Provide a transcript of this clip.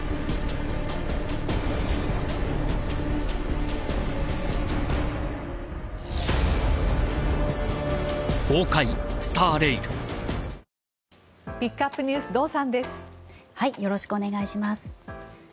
よろしくお願いします。